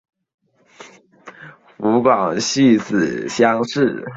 湖广戊子乡试。